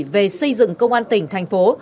về xây dựng công an tỉnh thành phố